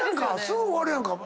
すぐ終わるやんか。